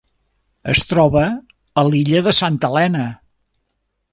Es troba a l'illa de Santa Helena.